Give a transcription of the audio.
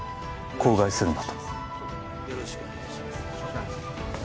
口外するなと。